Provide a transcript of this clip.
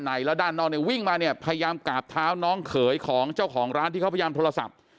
แล้วด้านนอกเนี่ยวิ่งมาเนี่ยพยายามกราบเท้าน้องเขยของเจ้าของร้านที่เขาพยายามโทรศัพท์